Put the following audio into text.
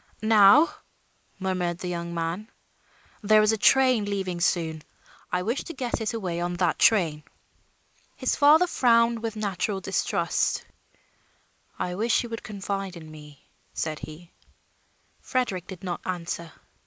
"Now," murmured the young man. "There is a train leaving soon. I wish to get it away on that train." His father frowned with natural distrust. "I wish you would confide in me," said he. Frederick did not answer.